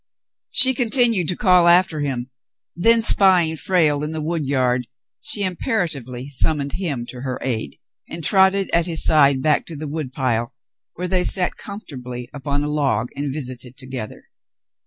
She continued to call after him ; then, spying Frale in the wood yard, she imperatively summoned him to her aid, and trotted at his side back to the wood pile, where they sat comfortably upon a log and visited together.